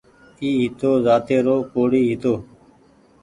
اي هتو زاتي رو ڪوڙي هيتو